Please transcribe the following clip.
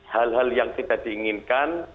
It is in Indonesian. hal hal yang tidak diinginkan